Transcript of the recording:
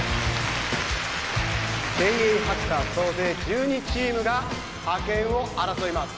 ・精鋭ハッカー総勢１２チームが覇権を争います